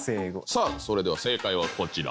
さぁそれでは正解はこちら。